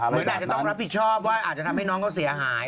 หรืออาจจะต้องรับผิดชอบว่าอาจจะทำให้น้องเขาเสียหาย